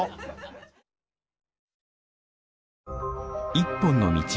「一本の道」。